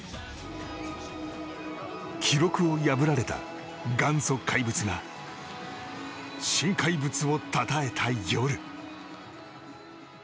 記録を破られた元祖・怪物が新怪物を称えた夜。